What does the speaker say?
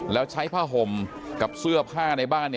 แล้วใช้ผ้าห่มกับเสื้อผ้าในบ้าน